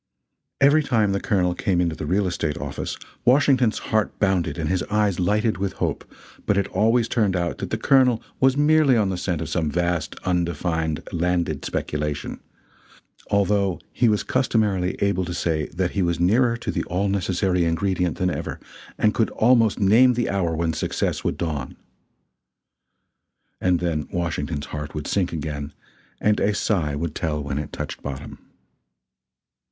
Every time the Colonel came into the real estate office Washington's heart bounded and his eyes lighted with hope, but it always turned out that the Colonel was merely on the scent of some vast, undefined landed speculation although he was customarily able to say that he was nearer to the all necessary ingredient than ever, and could almost name the hour when success would dawn. And then Washington's heart would sink again and a sigh would tell when it touched bottom.